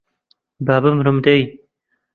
با بمرم دەی